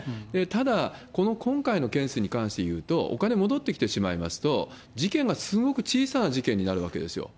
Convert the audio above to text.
ただこの今回のケースに関していうと、お金戻ってきてしまいますと、事件がすごく小さな事件になるわけですよ。